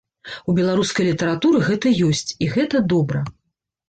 У беларускай літаратуры гэта ёсць, і гэта добра.